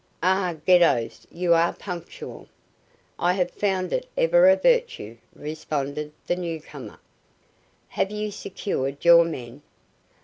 "Ah, Geddos, you are punctual." "I have found it ever a virtue." responded the newcomer. "Have you secured your men?"